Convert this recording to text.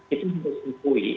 itu harus disukui